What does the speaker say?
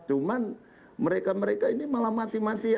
cuman mereka mereka ini malah mati mati